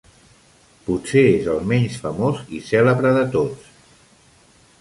Potser és el menys famós i cèlebre de tots.